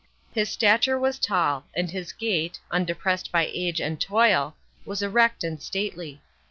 His stature was tall, and his gait, undepressed by age and toil, was erect and stately.